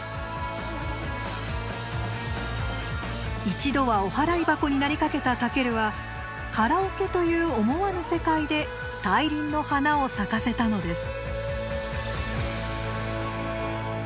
一度はお払い箱になりかけたＴＡＫＥＲＵはカラオケという思わぬ世界で大輪の花を咲かせたのです。